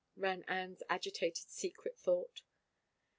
" ran Anne's agitated secret thought.